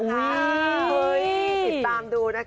ติดตามดูนะคะ